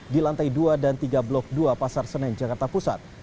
di lantai dua dan tiga blok dua pasar senen jakarta pusat